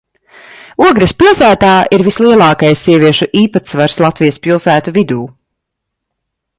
Ogres pilsētā ir vislielākais sieviešu īpatsvars Latvijas pilsētu vidū.